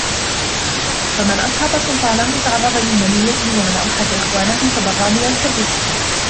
فَمَنْ أَسْخَطَ سُلْطَانَهُ تَعَرَّضَ لِلْمَنِيَّةِ وَمَنْ أَوْحَشَ إخْوَانَهُ تَبَرَّأَ مِنْ الْحُرِّيَّةِ